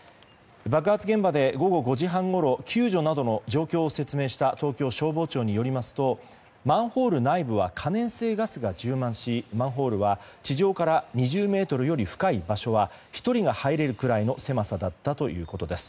爆発現場で午後５時半ごろ救助などの状況を説明した東京消防庁によりますとマンホール内部は可燃性ガスが充満しマンホールは地上から２０ｍより深い場所は１人が入れるくらいの狭さだったということです。